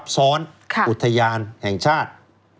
ซ้อนอุทยานแห่งชาติ